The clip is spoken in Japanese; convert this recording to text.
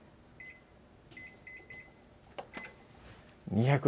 ２００